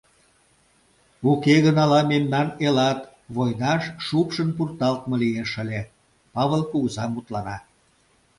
Уке гын ала мемнан элат войнаш шупшын пурталтме лиеш ыле, — Павыл кугыза мутлана.